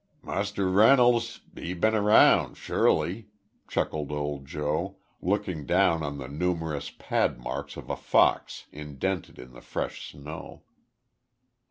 "Mus' Reynolds he bin around sure ly," chuckled old Joe, looking down on the numerous pad marks of a fox indented in the fresh snow.